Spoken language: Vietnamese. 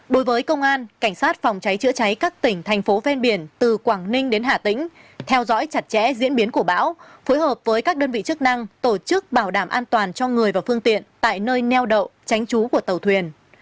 đối với công an cảnh sát phòng cháy chữa cháy các tỉnh thành phố ven biển từ quảng ninh đến hà tĩnh theo dõi chặt chẽ diễn biến của bão phối hợp với các đơn vị chức năng tổ chức bảo đảm an toàn cho người và phương tiện tại nơi neo đậu tránh trú của tàu thuyền